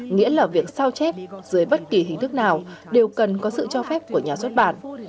nghĩa là việc sao chép dưới bất kỳ hình thức nào đều cần có sự cho phép của nhà xuất bản